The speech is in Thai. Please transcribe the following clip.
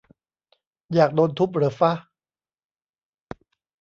อยากโดนทุบเหรอฟะ